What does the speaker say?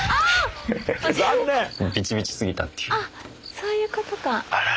そういうことか。